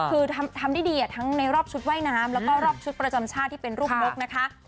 คือทำได้ดีทั้งในรอบชุดว่ายน้ำแล้วก็รอบชุดประจำชาติที่เป็นรูปนกนะคะ